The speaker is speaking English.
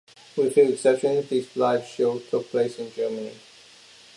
With few exceptions, these live shows took place in Germany.